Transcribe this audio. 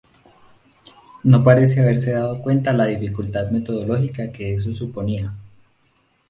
No parece haberse dado cuenta la dificultad metodológica que eso suponía.